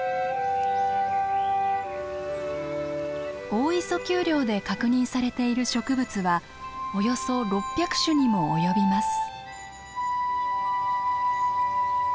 大磯丘陵で確認されている植物はおよそ６００種にも及びます。